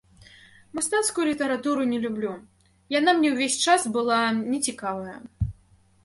Мастацкую літаратуру не люблю, яна мне ўвесь час была нецікавая.